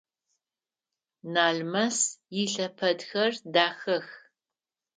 Налмэс илъэпэдхэр дахэх.